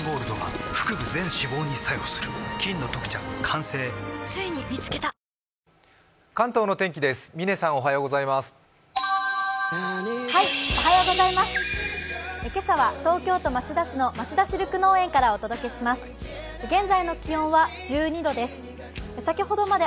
今朝は東京都町田市の町田シルク農園からお届けします。